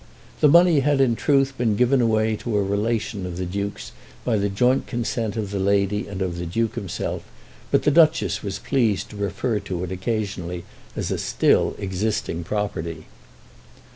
The money had, in truth, been given away to a relation of the Duke's by the joint consent of the lady and of the Duke himself, but the Duchess was pleased to refer to it occasionally as a still existing property.